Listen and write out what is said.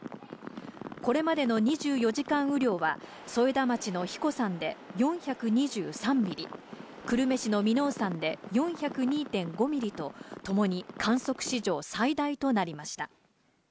これまでの２４時間雨量は添田町の英彦山で４２３ミリ、久留米市の耳納山で４０２．５ミリと、ともに観測史上最大となりました。